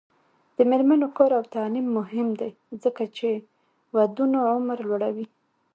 د میرمنو کار او تعلیم مهم دی ځکه چې ودونو عمر لوړوي.